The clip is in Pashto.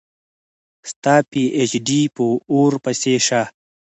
ستا پي ایچ ډي په اوور پسي شه